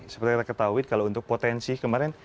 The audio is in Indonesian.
seperti kita ketahui kalau untuk potensi kemarin